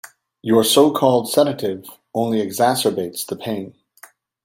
Your so-called sedative only exacerbates the pain.